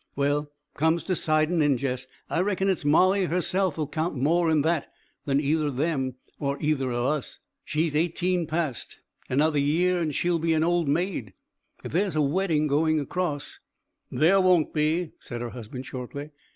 Well, comes to siding in, Jess, I reckon it's Molly herself'll count more in that than either o' them or either o' us. She's eighteen past. Another year and she'll be an old maid. If there's a wedding going across " "There won't be," said her husband shortly.